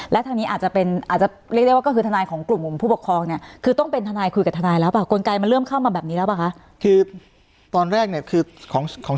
และทางนี้อาจจะเป็นเรียกได้ว่าก็คือทนายของกลุ่มผู้ปกครอง